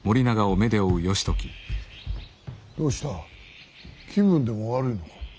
どうした気分でも悪いのか。